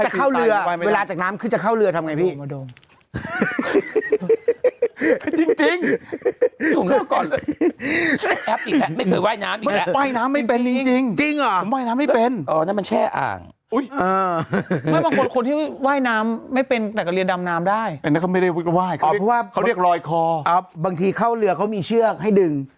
กลับห้มคือไม่ได้ไม่กลับบ้านเดี๋ยวกลับทุ่มครึ่ง